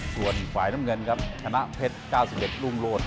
ส่วนฝ่ายน้ำเงินครับชนะเพชร๙๑รุ่งโลศ